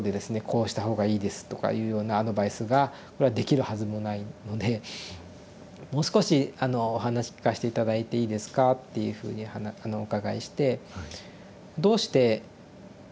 「こうした方がいいです」とかいうようなアドバイスができるはずもないので「もう少しお話聞かして頂いていいですか」っていうふうにお伺いして「どうして予後を聞きたいんですか？」